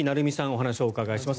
お話をお伺いします。